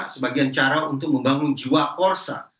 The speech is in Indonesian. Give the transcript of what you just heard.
sebagian cara untuk membangun jiwa korsa